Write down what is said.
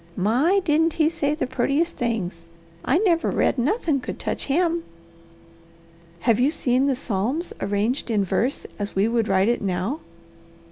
My, didn't he say the purtiest things! I never read nothin' could touch him!" "Have you seen the Psalms arranged in verse as we would write it now?"